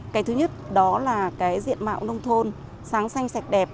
cái thứ nhất đó là cái diện mạo nông thôn sáng xanh sạch đẹp